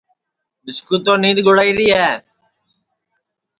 مِسکُو تو نید گُڑائیری ہے